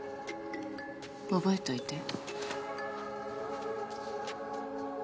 覚えといて。